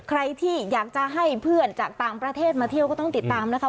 ใครที่อยากจะให้เพื่อนจากต่างประเทศมาเที่ยวก็ต้องติดตามนะคะ